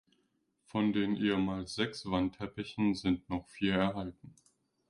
Von den ehemals sechs Wandteppichen sind noch vier erhalten.